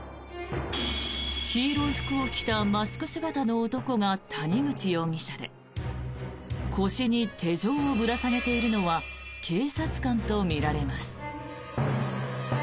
黄色い服を着たマスク姿の男が谷口容疑者で腰に手錠をぶら下げているのは警察官とみられます。